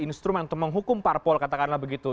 instrumen untuk menghukum parpol katakanlah begitu